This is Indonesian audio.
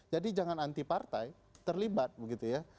jadi jangan anti partai terlibat begitu ya